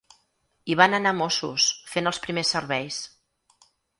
Hi van anar mossos, fent els primers serveis.